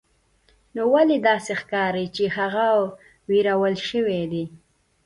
نو ولې داسې ښکاري چې هغه ویرول شوی دی